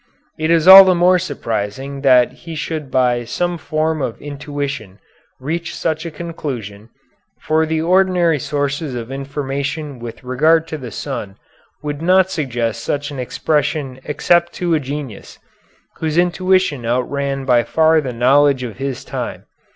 It is all the more surprising that he should by some form of intuition reach such a conclusion, for the ordinary sources of information with regard to the sun would not suggest such an expression except to a genius, whose intuition outran by far the knowledge of his time.